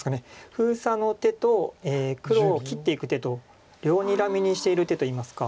封鎖の手と黒を切っていく手とを両にらみにしている手といいますか。